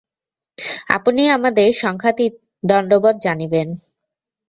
আপনি আমাদের সংখ্যাতীত দণ্ডবৎ জানিবেন।